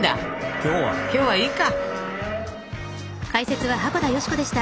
今日はいいか。